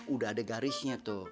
udah ada garisnya tuh